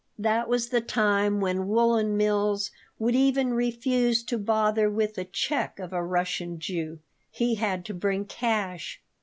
That was the time when woolen mills would even refuse to bother with a check of a Russian Jew; he had to bring cash.